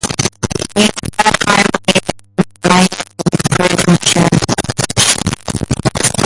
The entire highway is in Miyagi Prefecture.